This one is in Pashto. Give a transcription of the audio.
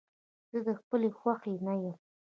زه د خپلې خوښې نه يم.